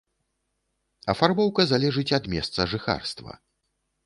Афарбоўка залежыць ад месца жыхарства.